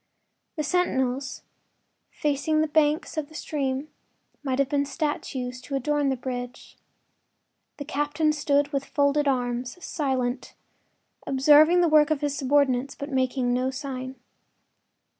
The sentinels, facing the banks of the stream, might have been statues to adorn the bridge. The captain stood with folded arms, silent, observing the work of his subordinates, but making no sign.